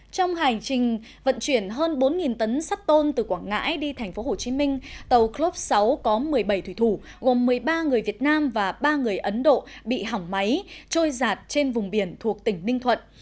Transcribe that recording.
trong hành trình vận chuyển hơn bốn tấn sắt tôn từ quảng ngãi đi tp hcm tàu glove sáu có một mươi bảy thủy thủ gồm một mươi ba người việt nam và ba người ấn độ bị hỏng máy trôi giạt trên vùng biển thuộc tỉnh ninh thuận